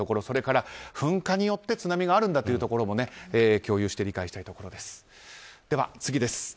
それから、噴火によって津波があるんだというところも共有して理解したいところです。